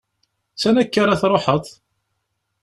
Sani akka ara truḥeḍ?